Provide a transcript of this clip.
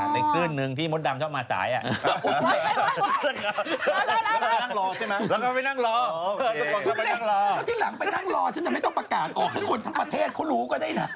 แล้วที่หลังผมไปนั่งรอก็ไม่ต้องประกาศออกลุ่นทั้งประเทศเขารู้ก็ได้นะ